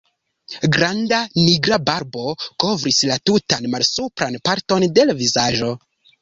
Granda nigra barbo kovris la tutan malsupran parton de l' vizaĝo.